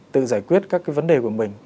tự giải quyết các vấn đề của mình